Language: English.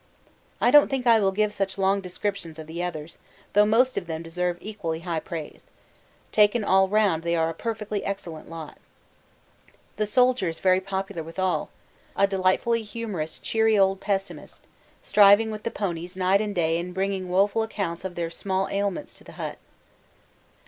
'I don't think I will give such long descriptions of the others, though most of them deserve equally high praise. Taken all round they are a perfectly excellent lot.' The Soldier is very popular with all a delightfully humorous cheery old pessimist striving with the ponies night and day and bringing woeful accounts of their small ailments into the hut.